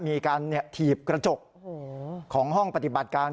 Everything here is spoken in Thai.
มีการถีบกระจกของห้องปฏิบัติการ